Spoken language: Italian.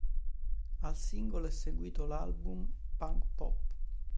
Al singolo è seguito l'album "Punk Pop!